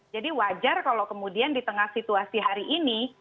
jadi wajar kalau kemudian di tengah situasi hari ini